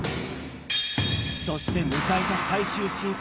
そして迎えた最終審査。